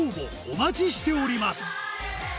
お待ちしております